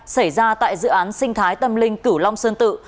xảy ra tại dự án sinh thái tâm linh cửu long sơn tự